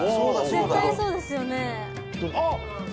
絶対そうですよね。